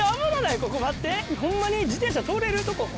ここ待ってホンマに自転車通れるとこ？